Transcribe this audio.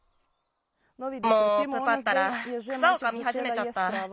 もうプパったら草をかみはじめちゃった。